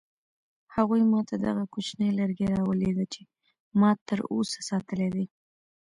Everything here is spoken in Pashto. هغوی ما ته دغه کوچنی لرګی راولېږه چې ما تر اوسه ساتلی دی.